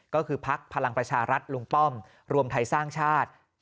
ก็คือพักพลังประชารัฐลุงป้อมรวมไทยสร้างชาติ